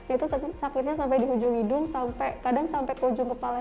itu sakitnya sampai di ujung hidung sampai kadang sampai ke ujung kepala